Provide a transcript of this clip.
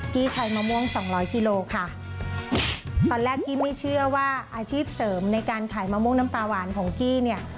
กี้ใช้มะม่วงสองร้อยกิโลค่ะตอนแรกกี้ไม่เชื่อว่าอาชีพเสริมในการขายมะม่วงน้ำปลาหวานของกี้เนี่ย